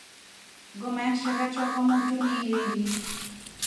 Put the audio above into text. Ngoma ya kishakaa cha kwa motu ni iringi.